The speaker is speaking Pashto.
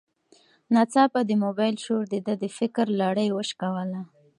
ناڅاپه د موبایل شور د ده د فکر لړۍ وشکوله.